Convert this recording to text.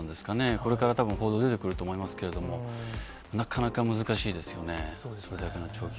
これからたぶん、報道出てくると思いますけれども、なかなか難しいですよね、これだ